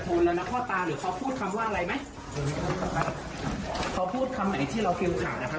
คือจะทนแล้วนะพ่อตาหรือเขาพูดคำว่าอะไรไหมเขาพูดคำไหนที่เราเกลียดขาดอ่ะครับ